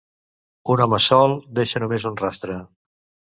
Un home sol deixa només un rastre.